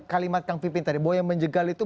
kalimat kang pipin tadi bahwa yang menjegal itu